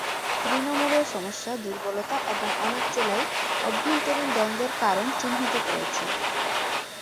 তৃণমূলের সমস্যা, দুর্বলতা এবং অনেক জেলায় অভ্যন্তরীণ দ্বন্দ্বের কারণ চিহ্নিত করেছি।